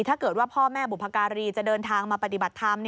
ถ้าเกิดว่าพ่อแม่บุพการีจะเดินทางมาปฏิบัติธรรม